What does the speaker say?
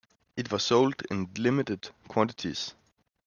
It was sold in limited quantities.